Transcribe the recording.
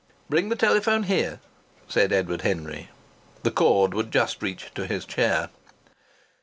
"Bring the telephone here," said Edward Henry. The cord would just reach to his chair.